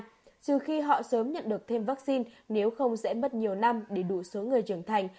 trừ khi họ sớm nhận được thêm vaccine nếu không sẽ mất nhiều năm để đủ số người trưởng thành